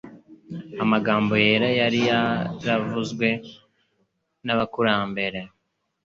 Amagambo yera yari yaravuzwe n'abakurambere